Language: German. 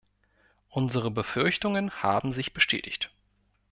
Unsere Befürchtungen haben sich bestätigt.